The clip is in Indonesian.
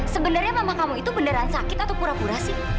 sebenarnya mama kamu itu beneran sakit atau pura pura sih